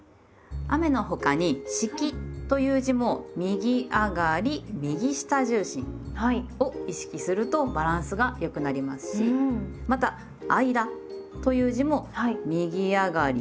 雨の他に「式」という字も「右上がり右下重心」を意識するとバランスが良くなりますしまた「間」という字も右上がり。